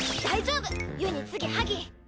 大丈夫ゆにつぎはぎ。